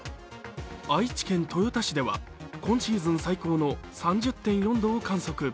愛知県豊田市では今シーズン最高の３０．４度を観測。